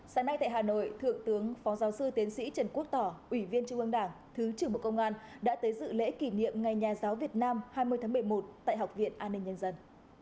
sáng nay tại hà nội thượng tướng phó giáo sư tiến sĩ trần quốc tỏ ủy viên trung ương đảng thứ trưởng bộ công an đã tới dự lễ kỷ niệm ngày nhà giáo việt nam hai mươi tháng một mươi một tại học viện an ninh nhân dân